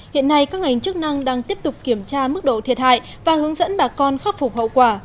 hiện nay các ngành chức năng đang tiếp tục kiểm tra mức độ thiệt hại và hướng dẫn bà con khắc phục hậu quả